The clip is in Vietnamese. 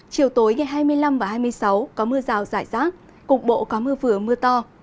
chiều tối ngày hai mươi năm và hai mươi sáu có mưa rào rải rác cục bộ có mưa vừa mưa to